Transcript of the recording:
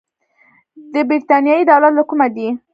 د برتانیې دولت له کومه دی.